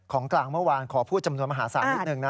กลางเมื่อวานขอพูดจำนวนมหาศาลนิดนึงนะ